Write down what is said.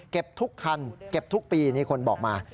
ทุกคันเก็บทุกปีนี่คนบอกมา